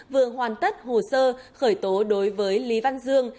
vừa hoàn tất hồ sơ khởi tố đối với lý văn dương